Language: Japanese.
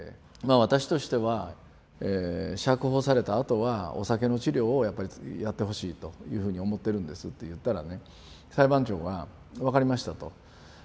私としては釈放されたあとはお酒の治療をやっぱりやってほしいというふうに思ってるんですって言ったらね裁判長が「分かりました」と。